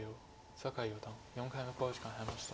酒井四段４回目の考慮時間に入りました。